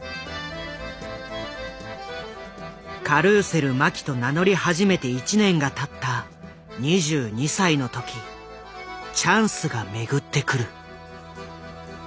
「カルーセル麻紀」と名乗り始めて１年がたった２２歳の時チャンスが巡ってくる。